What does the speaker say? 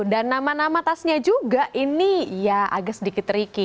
dan nama nama tasnya juga ini ya agak sedikit tricky